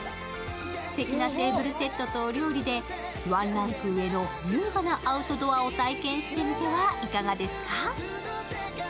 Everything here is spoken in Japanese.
すてきなテーブルセットとお料理でワンランク上の優雅なアウトドアを体験してみてはいかがでしょうか。